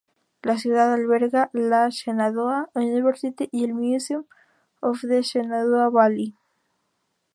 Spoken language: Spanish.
La ciudad alberga la "Shenandoah University" y el "Museum of the Shenandoah Valley".